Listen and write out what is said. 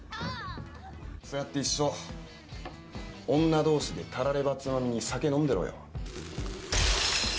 そうやって一生、女同士でタラレバつまみに酒飲んでろよ。